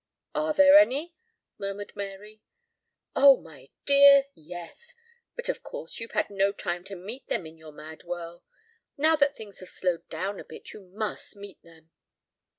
"Are there any?" murmured Mary. "Oh, my dear, yes. But, of course, you've had no time to meet them in your mad whirl. Now that things have slowed down a bit you must meet them."